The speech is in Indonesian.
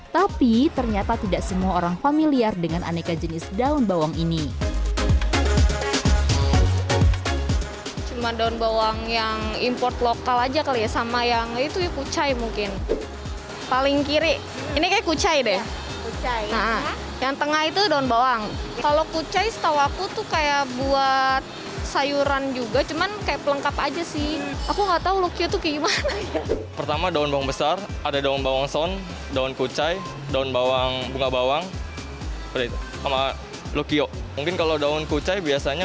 tapi ternyata tidak semua orang familiar dengan aneka jenis daun bawang ini